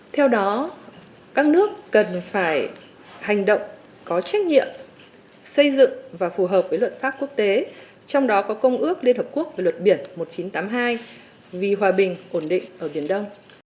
theo đó các nước cần phải hành động có trách nhiệm xây dựng và phù hợp với luật pháp quốc tế trong đó có công ước liên hợp quốc về luật biển một nghìn chín trăm tám mươi hai vì hòa bình ổn định ở biển đông